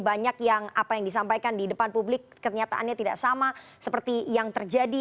banyak yang apa yang disampaikan di depan publik kenyataannya tidak sama seperti yang terjadi